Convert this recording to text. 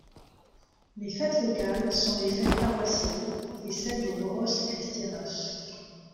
Les fêtes locales sont les fêtes paroissiales, et celles des Moros y Cristianos.